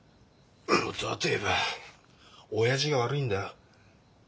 元はと言えば親父が悪いんだよ。